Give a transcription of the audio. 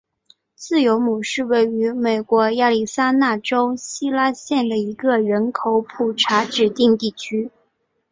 自由亩是位于美国亚利桑那州希拉县的一个人口普查指定地区。